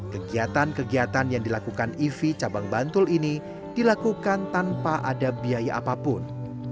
kegiatan kegiatan yang dilakukan ivi cabang bantul ini dilakukan tanpa ada biaya apapun